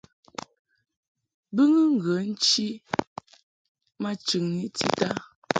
Bɨŋɨ ŋgə nchi ma chɨŋni tita.